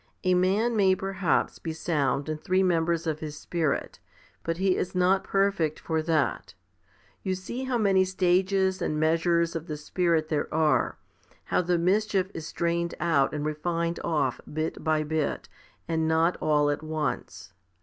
A man may perhaps be sound in three members of his spirit, but he is not perfect ^or that. You see how many stages and measures of the Spirit there are, how the mischief is strained out and refined off bit by bit, and not all at once.